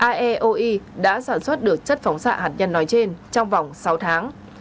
iaoe đã sản xuất được chất phóng xạ hạt nhân nói trên trong vòng sáu tháng